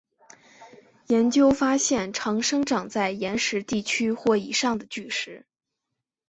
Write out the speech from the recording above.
研究发现常生长在岩石地区或以上的巨石。